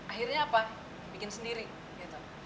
akhirnya apa bikin sendiri gitu